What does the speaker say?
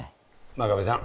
真壁さん。